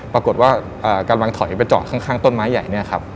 ปรากฏว่ากำลังถอยไปจอดข้างต้นไม้ใหญ่เนี่ยครับ